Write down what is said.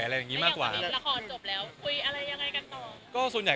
เริ่มคุยกิน